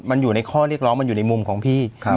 มันอยู่ในข้อเรียกร้องมันอยู่ในมุมของพี่